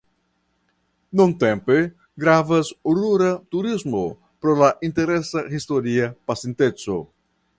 Nuntempe gravas rura turismo pro la interesa historia pasinteco.